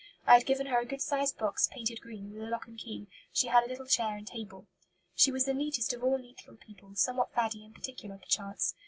I had given her a good sized box, painted green, with a lock and key; she had a little chair and table. "She was the neatest of all neat little people, somewhat faddy and particular, perchance.